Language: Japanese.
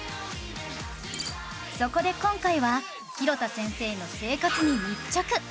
そこで今回は廣田先生の生活に密着！